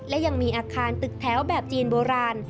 และยังมีอาคารตึกแถวแบบจีนโบราณ